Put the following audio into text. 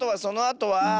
そのあとは。